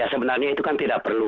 sebenarnya itu kan tidak perlu